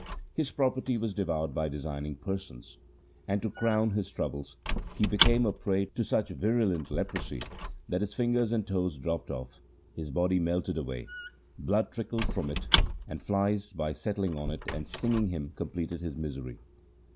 His property was devoured by designing persons ; and, to crown his troubles, he became a prey to such virulent leprosy that his fingers and toes dropped off, his body melted away, blood trickled from it, and flies, by settling on it and stinging him, completed his misery.